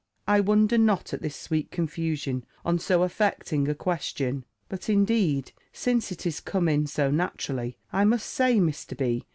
I wonder not at this sweet confusion on so affecting a question! but, indeed, since it is come in so naturally, I must say, Mr. B.